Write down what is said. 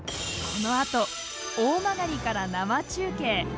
この後、大曲から生中継。